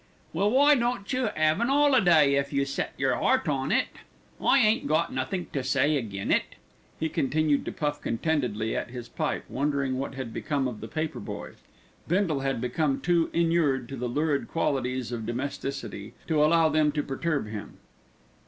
"Well, why don't you 'ave an 'oliday if you set yer 'eart on it? I ain't got nothink to say agin it." He continued to puff contentedly at his pipe, wondering what had become of the paper boy. Bindle had become too inured to the lurid qualities of domesticity to allow them to perturb him.